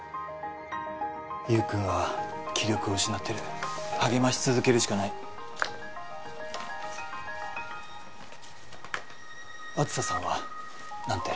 優君は気力を失ってる励まし続けるしかない梓さんは何て？